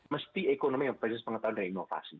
mesti ekonomi yang berbasis pengetahuan dan inovasi